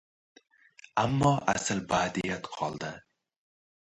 Ammo asl badiiyat qoldi!